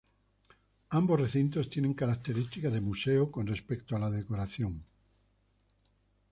Ambos recintos tienen características de museo, con respecto a la decoración.